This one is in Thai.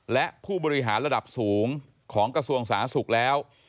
และผู้บริหารระดับสูงของกระทรวงสาธารณสุขแล้ว